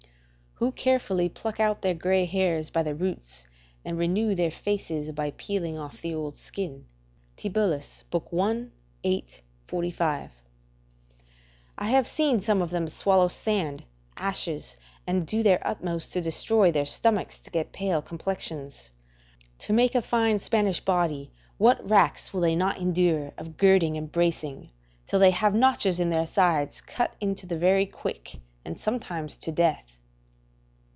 ["Who carefully pluck out their grey hairs by the roots, and renew their faces by peeling off the old skin." Tibullus, i. 8, 45.] I have seen some of them swallow sand, ashes, and do their utmost to destroy their stomachs to get pale complexions. To make a fine Spanish body, what racks will they not endure of girding and bracing, till they have notches in their sides cut into the very quick, and sometimes to death?